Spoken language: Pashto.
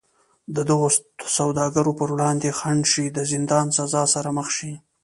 د دغو سوداګرو پر وړاندې خنډ شي د زندان سزا سره مخ شي.